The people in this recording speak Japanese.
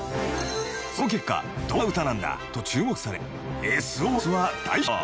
その結果どんな歌なんだと注目され『Ｓ・Ｏ・Ｓ』は大ヒット。